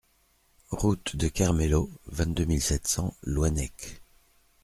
Route de Kermélo, vingt-deux mille sept cents Louannec